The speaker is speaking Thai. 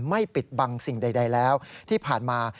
ปิดบังสิ่งใดแล้วที่ผ่านมา